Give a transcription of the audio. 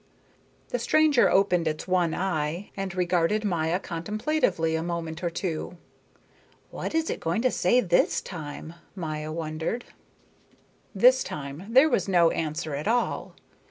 The stranger opened its one eye and regarded Maya contemplatively a moment or two. "What is it going to say this time?" Maya wondered. This time there was no answer at all.